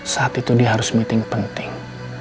saat itu dia harus meeting penting